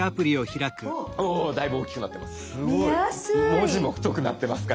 文字も太くなってますからね。